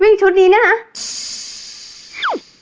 วี่จะชุดเดียเขาเนี่ย